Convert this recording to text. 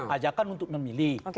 ajakan untuk memilih